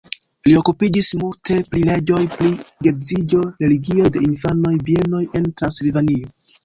Li okupiĝis multe pri leĝoj pri geedziĝo, religioj de infanoj, bienoj en Transilvanio.